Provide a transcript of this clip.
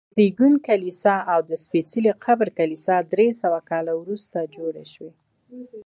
د زېږون کلیسا او د سپېڅلي قبر کلیسا درې سوه کاله وروسته جوړې شوي.